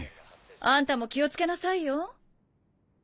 あんたも気を付けなさいよ。